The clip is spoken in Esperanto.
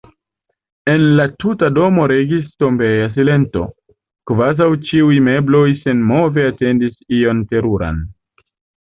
En la tuta domo regis tombeja silento, kvazaŭ ĉiuj mebloj senmove atendis ion teruran.